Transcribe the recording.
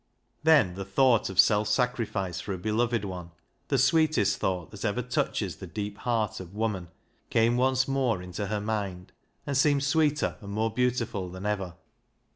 Then the thought of self sacrifice for a beloved one, the sweetest thought that ever touches the deep heart of woman, came once more into her LEAH'S LOVER 89 mind, and seemed sweeter and more beautiful than ever.